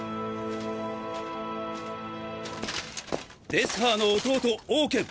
デスハーの弟オウケン。